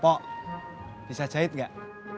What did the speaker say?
po bisa jahit gak